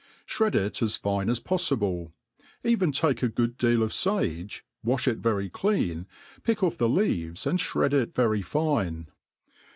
Shred it as fine as poffible ; even take a good deal of fage, wa(h it very clean, pick off* the leaves, and flired it very fine.